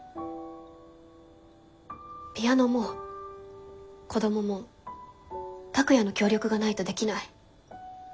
ピアノも子どもも拓哉の協力がないとできない。